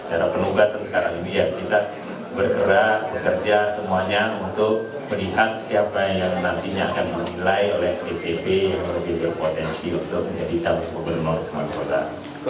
secara penugasan sekarang ini yang kita bergerak bekerja semuanya untuk melihat siapa yang nantinya akan menilai oleh dpp yang lebih berpotensi untuk menjadi calon gubernur sumatera utara